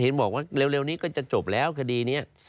เห็นบอกว่าเร็วนี้ก็จะจบแล้วคดีนี้